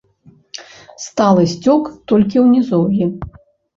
Сталы сцёк толькі ў нізоўі.